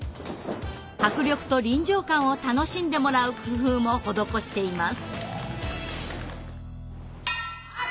迫力と臨場感を楽しんでもらう工夫も施しています。